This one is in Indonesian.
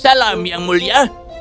salam yang mulia